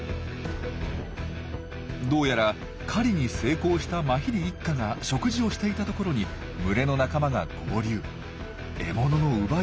どうやら狩りに成功したマヒリ一家が食事をしていたところに群れの仲間が合流獲物の奪い合いに。